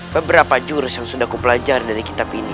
beberapa jurus yang sudah ku pelajar dari kitab ini